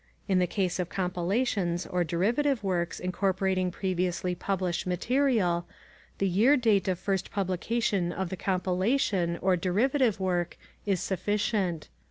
In the case of compilations or derivative works incorporating previously published material, the year date of first publication of the compilation or derivative work is sufficient.